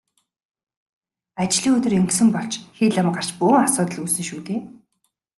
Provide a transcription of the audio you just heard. Ажлын өдөр ингэсэн бол ч хэл ам гарч бөөн асуудал үүснэ шүү дээ.